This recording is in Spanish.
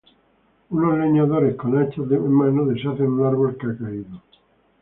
Unos leñadores, con hachas en mano, deshacen un árbol que ha caído.